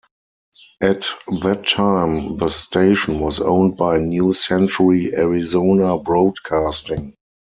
At that time, the station was owned by New Century Arizona Broadcasting.